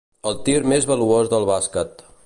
El tir més valuós del bàsquet.